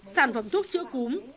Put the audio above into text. sản phẩm thuốc chữa cúm